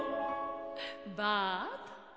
「バート」